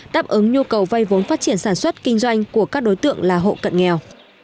đáp ứng nhu cầu vay vốn phát triển sản xuất kinh doanh của các đối tượng là hộ cận nghèo